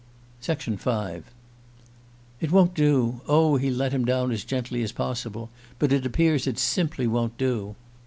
V "IT won't do oh, he let him down as gently as possible; but it appears it simply won't do."